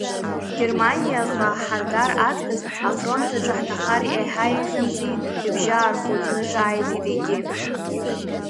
Германиаҟа ҳаргар аҵкыс, афронт аҿы ҳҭахар иаҳа еиӷьымзи, ибжьы аархәыҷны ҿааиҭит егьи.